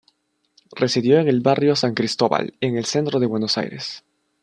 Residió en el barrio San Cristóbal, en el centro de Buenos Aires.